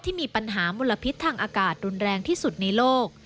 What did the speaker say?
ที่มีปัญหามลพิษทางอากาศรุนแรงที่สุดในโลก